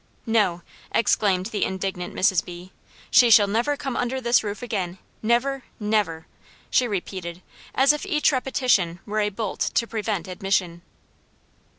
"No," exclaimed the indignant Mrs. B., "she shall never come under this roof again; never! never!" she repeated, as if each repetition were a bolt to prevent admission.